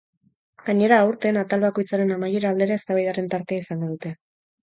Gainera, aurten, atal bakoitzaren amaiera aldera eztabaidaren tartea izango dute.